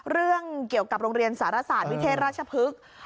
เรื่องเกี่ยวกับโรงเรียนสารศาสตร์วิเทศราชพฤกษ์